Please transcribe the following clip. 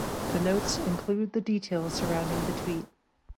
The notes include the details surrounding the tweet.